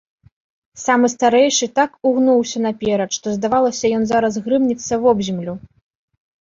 Самы старэйшы так угнуўся наперад, што здавалася, ён зараз грымнецца вобземлю.